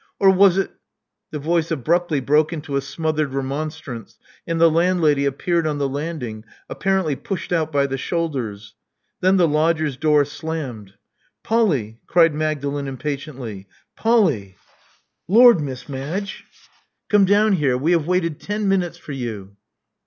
Or was it " The voice abruptly broke into a smothered remonstrance; and the landlady appeared on the landing, apparently pushed out by the shoulders. Then the lodger's door slammed. Polly, '' vied Magdalen impatiently. Polly. '' •*Lor', Miss Madge!" 88 Love Among the Artists Came down here. We have waited ten minutes for you."